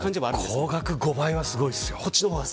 光学５倍はすごいですよ。